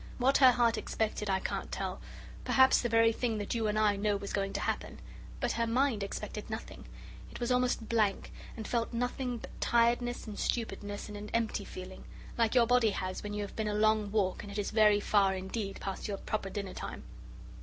What her heart expected I can't tell perhaps the very thing that you and I know was going to happen but her mind expected nothing; it was almost blank, and felt nothing but tiredness and stupidness and an empty feeling, like your body has when you have been a long walk and it is very far indeed past your proper dinner time.